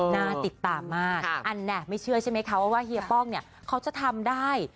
น่าติดตามมากอันนี้ไม่เชื่อใช่ไหมคะว่าเฮียป้องเนี่ยเขาจะทำได้